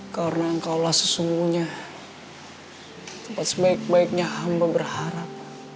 karena engkaulah sesungguhnya tempat sebaik baiknya hamba berharap